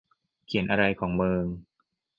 เขียนอะไรของเมิง